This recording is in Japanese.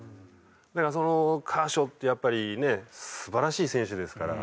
だからそのカーショーってやっぱりねえ素晴らしい選手ですから。